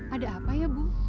ada apa ya bu